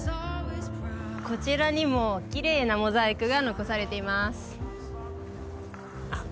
こちらにもきれいなモザイクが残されていますあっ